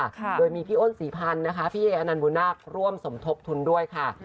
ค่ะโดยมีพี่อ้นศรีพันธ์นะคะพี่เออนันบุญนาคร่วมสมทบทุนด้วยค่ะ